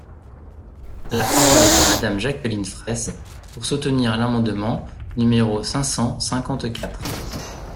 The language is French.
La parole est à Madame Jacqueline Fraysse, pour soutenir l’amendement numéro cinq cent cinquante-quatre.